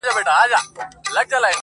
چی په عُقدو کي عقیدې نغاړي تر عرسه پوري,